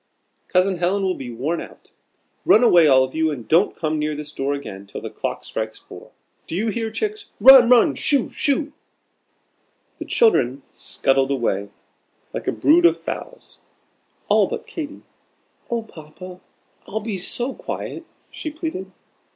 "Cousin Helen will be worn out. Run away, all of you, and don't come near this door again till the clock strikes four. Do you hear, chicks? Run run! Shoo! shoo!" The children scuttled away like a brood of fowls all but Katy. "Oh, Papa, I'll be so quiet!" she pleaded.